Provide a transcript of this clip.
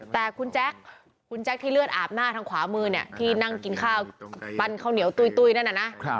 แต่คุณแจ๊คคุณแจ๊คที่เลือดอาบหน้าทางขวามือเนี่ยที่นั่งกินข้าวปั้นข้าวเหนียวตุ้ยนั่นน่ะนะ